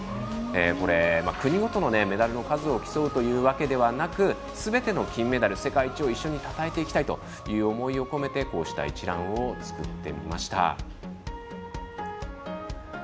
これ、国ごとのメダルの数を競うということではなくすべての金メダル、世界一を一緒にたたえていきたいという思いを込めてこうした一覧を作ってみました。